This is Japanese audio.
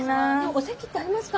お席ってありますか？